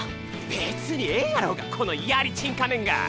別にええやろがこのヤリチン仮面が！